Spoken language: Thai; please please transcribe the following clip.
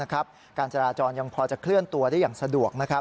การจราจรยังพอจะเคลื่อนตัวได้อย่างสะดวก